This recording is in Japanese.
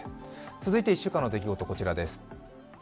続いて１週間の出来事こちらです。